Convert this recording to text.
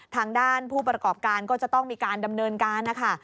ทางด้านผู้ประกอบการก็จะต้องมีการดำเนินการนะคะ